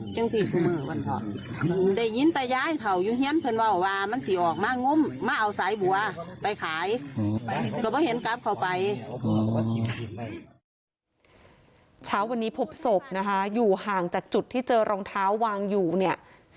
เช้าวันนี้พบศพนะคะอยู่ห่างจากจุดที่เจอรองเท้าวางอยู่เนี่ย